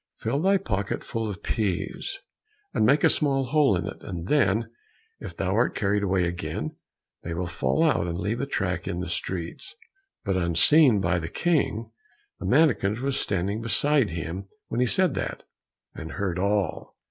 Fill thy pocket full of peas, and make a small hole in it, and then if thou art carried away again, they will fall out and leave a track in the streets." But unseen by the King, the mannikin was standing beside him when he said that, and heard all.